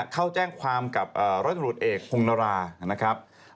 เข้าแจ้งความกับร้อยตรวจเอกฮุงนารา